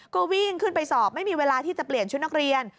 ก็วิ่งขึ้นไปสอบไม่มีเวลาที่จะเปลี่ยนชุดนักเรียน